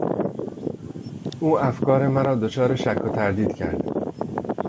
او افکار مرا دچار شک و تردید کرد.